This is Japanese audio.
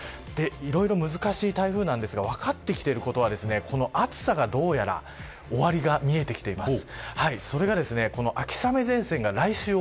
いろいろ難しい台風ですが分かってきていることは暑さに、どうやら終わりが見えてきています。